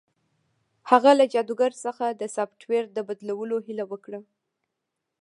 هغه له جادوګر څخه د سافټویر د بدلولو هیله وکړه